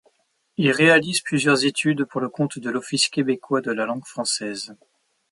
Il réalise plusieurs études pour le compte de l'Office québécois de la langue française.